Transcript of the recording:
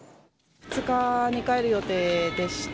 ２日に帰る予定でした。